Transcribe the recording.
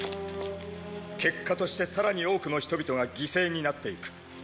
結果として更に多くの人々が犠牲になっていく。